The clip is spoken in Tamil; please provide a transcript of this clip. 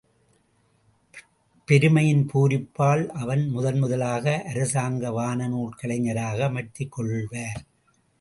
பெருமையின் பூரிப்பால் அவர் முதன் முதலாக அரசாங்க வானநூல் கலைஞராக அமர்த்திக் கொள்வார்.